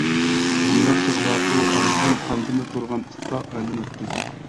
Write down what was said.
بۇنداق چاغدا ئۇ ئاغزىدىن قان تېمىپ تۇرغان ئىتقا ئايلىناتتى.